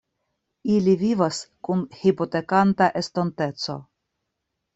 Ili vivas kun hipotekanta estonteco.